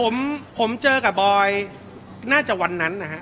ไม่เคยเจอกับผมผมเจอกับน่าจะวันนั้นนะฮะ